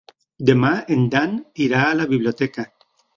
Demà en Dan irà a la biblioteca.